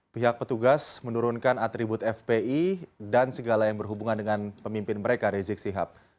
pihak petugas menurunkan atribut fpi dan segala yang berhubungan dengan pemimpin mereka rizik sihab